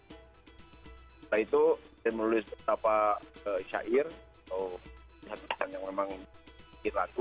setelah itu dia menulis beberapa syair atau yang memang bikin lagu